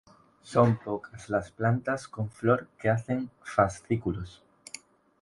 Son pocas las plantas con flor que hacen fascículos.